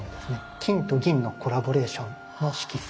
金と銀のコラボレーションの色彩。